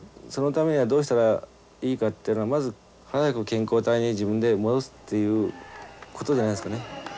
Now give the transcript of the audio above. そのためにはどうしたらいいかっていうのはまず早く健康体に自分で戻すっていうことじゃないですかね。